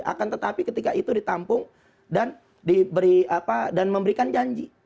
akan tetapi ketika itu ditampung dan memberikan janji